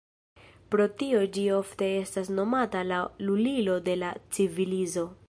Pro tio ĝi ofte estas nomata la "lulilo de la civilizo".